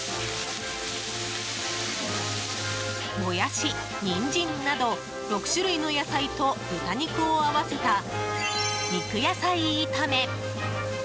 モヤシ、ニンジンなど６種類の野菜と豚肉を合わせた肉野菜炒め。